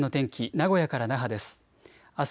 名古屋から那覇です。